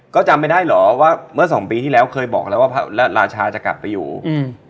ก็จำไม่ได้เหรอว่าเมื่อสองปีที่แล้วเคยบอกแล้วว่าพระราชาจะกลับไปอยู่อืม